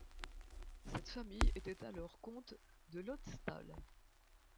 Cette famille était alors comte de l'Ötztal.